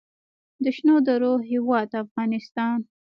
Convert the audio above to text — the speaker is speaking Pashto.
د شنو درو هیواد افغانستان.